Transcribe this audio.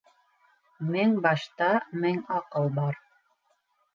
Мең башта мең аҡыл бар.